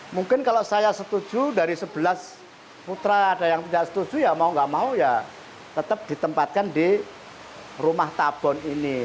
mungkin kalau saya setuju dari sebelas putra ada yang tidak setuju ya mau nggak mau ya tetap ditempatkan di rumah tabon ini